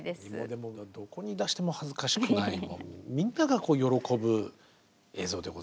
でもどこに出しても恥ずかしくないみんなが喜ぶ映像でございます。